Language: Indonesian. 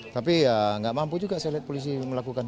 tapi ya nggak mampu juga saya lihat polisi melakukan